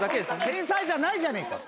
天才じゃないじゃねえか。